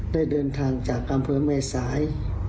ได้เดินทางจากกลางเผือไม่สาย